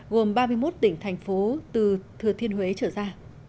gồm ba mươi một tỉnh thành phố từ thừa thiên huế trở ra